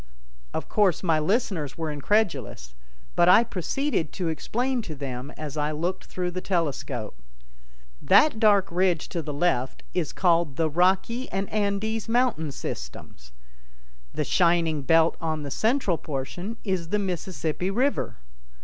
Of course my listeners were incredulous, but I proceeded to explain to them as I looked through the telescope: "That dark ridge to the left is called 'the Rocky and Andes Mountain Systems'. The shining belt on the central portion is the 'Mississippi River'.